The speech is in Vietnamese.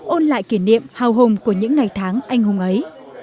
ôn lại kỷ niệm hào hùng của những ngày tháng anh hùng ấy